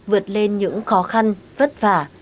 vượt lên những khó khăn vất vả